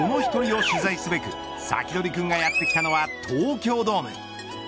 その１人を取材すべくサキドリくんがやってきたのは東京ドーム。